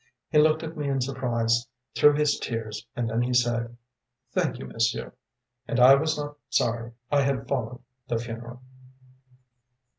He looked at me in surprise through his tears and then said: “Thank you, monsieur.‚ÄĚ And I was not sorry that I had followed the funeral.